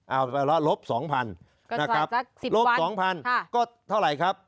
เอาไปแล้วลบ๒๐๐๐นะครับลบ๒๐๐๐ก็เท่าไหร่ครับ